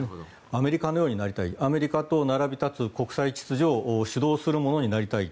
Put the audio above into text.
アメリカのようになりたいアメリカと並び立つ国際秩序を主導するものになりたい。